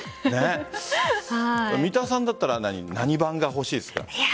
三田さんだったら何版が欲しいですか？